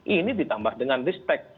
ini ditambah dengan ristek